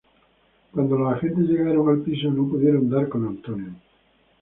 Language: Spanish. Cuando los agentes llegaron al piso, no pudieron dar con Antonio.